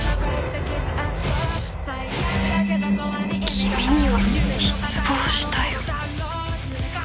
「君には失望したよ」。